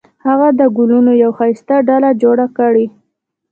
هغې د ګلونو یوه ښایسته ډوله جوړه کړې